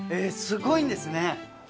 すごいんですね。